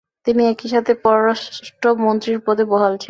তিনি একইসাথে পররাষ্ট্র মন্ত্রীর পদে বহাল ছিলেন।